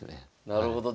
なるほど。